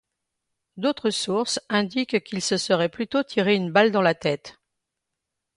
D'autres sources indiquent qu'il se serait plutôt tiré une balle dans la tête.